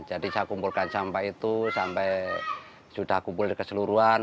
jadi saya kumpulkan sampah itu sampai sudah kumpul keseluruhan